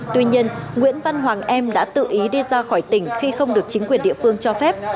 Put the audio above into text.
tuy nhiên nguyễn văn hoàng em đã tự ý đi ra khỏi tỉnh khi không được chính quyền địa phương cho phép